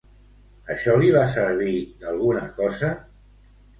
Això li va servir d'alguna cosa?